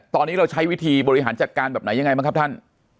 ตอนนี้เราใช้วิธีบริหารจัดการแบบไหนยังไงบ้างครับท่าน